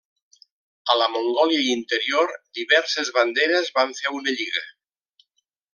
A la Mongòlia Interior, diverses banderes van fer una lliga.